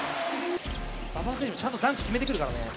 馬場選手、ちゃんとダンク決めてくるからね。